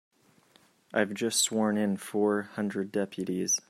I've just sworn in four hundred deputies.